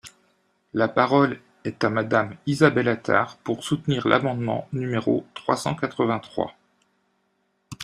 La parole est à Madame Isabelle Attard, pour soutenir l’amendement numéro trois cent quatre-vingt-trois.